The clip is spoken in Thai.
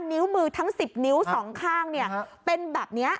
นิ้วมือทั้ง๑๐นิ้วสองข้างเป็นแบบนี้